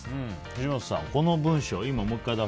藤本さん、この文章。